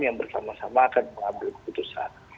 yang bersama sama akan mengambil keputusan